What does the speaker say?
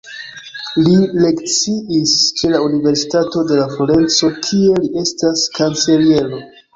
Li lekciis ĉe la Universitato de Florenco, kie li estas kanceliero.